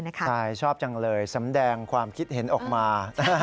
ใช่ชอบจังเลยสำแดงความคิดเห็นออกมา